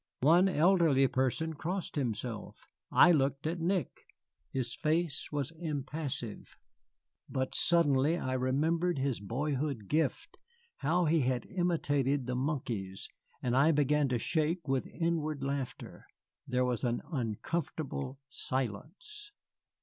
One elderly person crossed himself. I looked at Nick. His face was impassive, but suddenly I remembered his boyhood gift, how he had imitated the monkeys, and I began to shake with inward laughter. There was an uncomfortable silence.